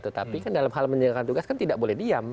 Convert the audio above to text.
tetapi kan dalam hal menjalankan tugas kan tidak boleh diam